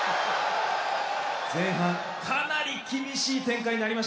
前半かなり厳しい展開になりましたが。